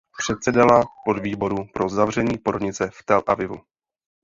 Předsedala podvýboru pro zavření porodnice v Tel Avivu.